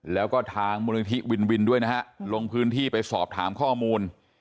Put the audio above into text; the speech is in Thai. แล้วก็ทางมูลนิธิวินวินด้วยนะฮะลงพื้นที่ไปสอบถามข้อมูล